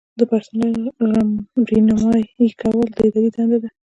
د پرسونل رہنمایي کول د ادارې دنده ده.